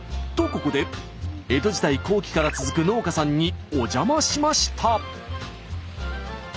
ここで江戸時代後期から続く農家さんにお邪魔しました。